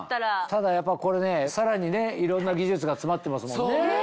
ただやっぱこれさらにいろんな技術が詰まってますもんね。